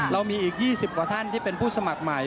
เรามีอีก๒๐กว่าท่านที่เป็นผู้สมัครใหม่